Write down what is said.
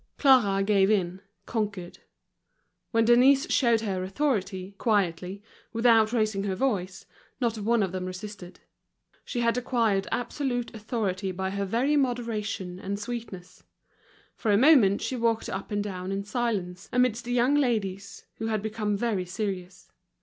Clara gave in, conquered. When Denise showed her authority, quietly, without raising her voice, not one of them resisted. She had acquired absolute authority by her very moderation and sweetness. For a moment she walked up and down in silence, amidst the young ladies, who had become very serious.